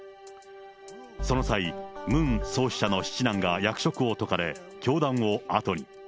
その際、ムン創始者の七男が役職を解かれ、教団を後に。